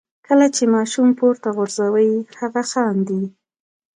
کله چې ماشوم پورته غورځوئ هغه خاندي.